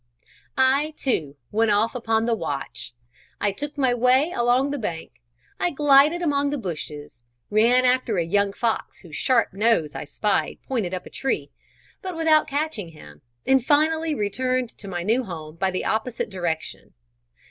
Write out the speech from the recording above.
I, too, went off upon the watch. I took my way along the bank, I glided among the bushes, ran after a young fox whose sharp nose I spied pointed up a tree, but without catching him, and finally returned to my new home by the opposite direction.